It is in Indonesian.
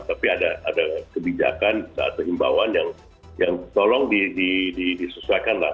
tapi ada kebijakan atau himbauan yang tolong disusahkan lah